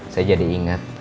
saya jadi ingat